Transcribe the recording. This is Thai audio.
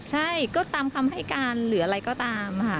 ใช่ก็ตามคำให้การหรืออะไรก็ตามค่ะ